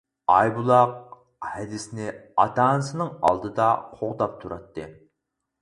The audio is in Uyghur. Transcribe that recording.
ئايبۇلاق ھەدىسىنى ئاتا-ئانىسىنىڭ ئالدىدا قوغداپ تۇراتتى.